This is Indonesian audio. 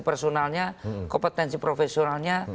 personalnya kompetensi profesionalnya